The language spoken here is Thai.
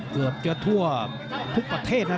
เกือบจะทั่วทุกประเทศนะ